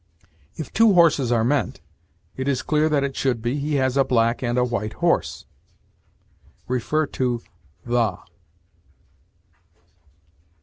If two horses are meant, it is clear that it should be, "He has a black and a white horse." See THE.